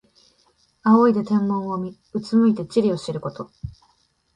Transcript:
仰いで天文を見、うつむいて地理を知ること。